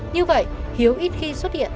như vậy hiếu ít khi xuất hiện